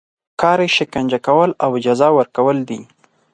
کار یې شکنجه کول او جزا ورکول دي.